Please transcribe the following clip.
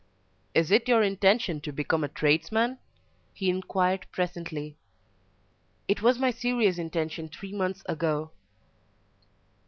"Is it your intention to become a tradesman?" he inquired presently. "It was my serious intention three months ago."